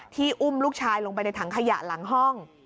อุ้มลูกชายลงไปในถังขยะหลังห้อง